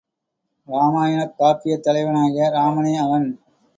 இராமாயணக் காப்பியத் தலைவனாகிய இராமனே அவன்.